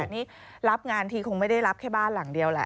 นี่รับงานทีคงไม่ได้รับแค่บ้านหลังเดียวแหละ